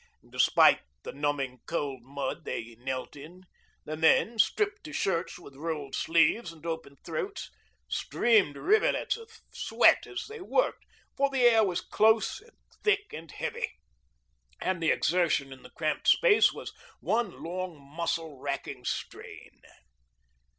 Despite the numbing cold mud they knelt in, the men, stripped to shirts with rolled sleeves and open throats, streamed rivulets of sweat as they worked; for the air was close and thick and heavy, and the exertion in the cramped space was one long muscle racking strain.